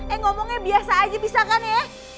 eh ngomongnya biasa aja bisa kan ya